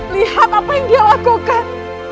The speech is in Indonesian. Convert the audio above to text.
lihat apa yang dia lakukan